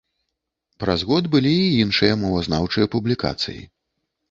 Праз год былі і іншыя мовазнаўчыя публікацыі.